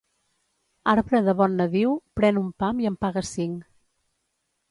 Arbre de bon nadiu, pren un pam i en paga cinc.